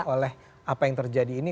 oleh apa yang terjadi ini